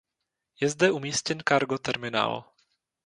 Je zde umístěn cargo terminál.